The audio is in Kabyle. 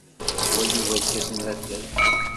Yeswa Yuba lkas n latay.